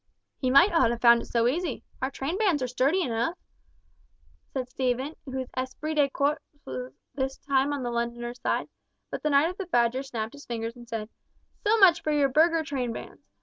"He might not have found it so easy. Our trainbands are sturdy enough," said Stephen, whose esprit de corps was this time on the Londoners' side, but the knight of the Badger snapped his fingers, and said, "So much for your burgher trainbands!